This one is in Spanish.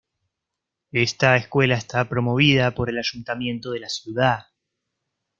Esta escuela está promovida por el ayuntamiento de la ciudad.